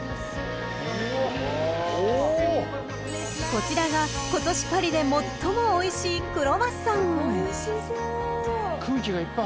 ［こちらがことしパリで最もおいしいクロワッサン］おいしそう。